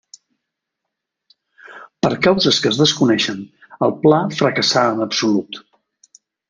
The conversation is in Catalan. Per causes que es desconeixen, el pla fracassà en absolut.